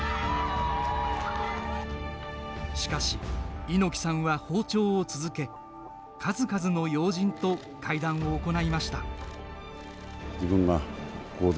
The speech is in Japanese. しかし、猪木さんは訪朝を続け数々の要人と会談を行いました。